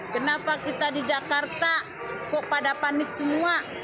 kenapa kita di jakarta kok pada panik semua